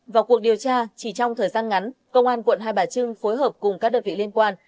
vào cuộc điều tra chỉ trong thời gian ngắn công an quận hai bà trưng phối hợp cùng các đợt vị liên quan